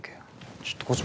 ちょっとこっち来い。